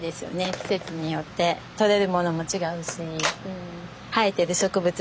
季節によって採れるものも違うし生えてる植物も違うし。